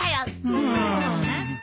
うん。